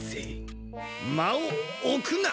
間をおくな！